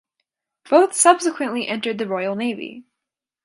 Both subsequently entered the Royal Navy.